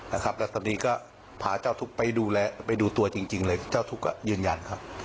และตอนนี้ผ้าเจ้าทุกข์ไปดูตัวจริงเลยเจ้าทุกข์ก็ยืนยันครับ